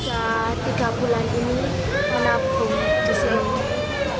sudah tiga bulan ini menabung di sini